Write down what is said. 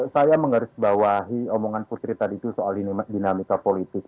saya menggarisbawahi omongan putri tadi itu soal dinamika politik